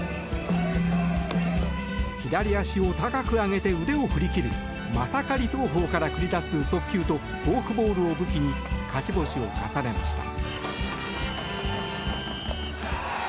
左足を高く上げて腕を振り切るマサカリ投法から繰り出される速球とフォークボールを武器に勝ち星を重ねました。